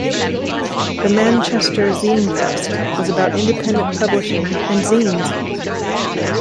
"The Manchester Zinefest" was about independent publishing and zines.